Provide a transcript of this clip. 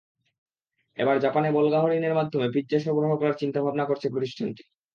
এবার জাপানে বল্গা হরিণের মাধ্যমে পিৎজা সরবরাহ করার চিন্তাভাবনা করছে প্রতিষ্ঠানটি।